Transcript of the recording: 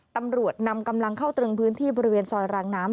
ตำรวจนำกำลังเข้าตรึงพื้นที่บริเวณซอยรางน้ำ